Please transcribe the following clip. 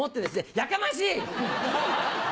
やかましい！